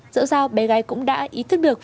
dẫu sao bé gái cũng đã ý thức được